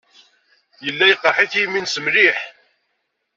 Yella yeqreḥ-it yimi-nnes mliḥ.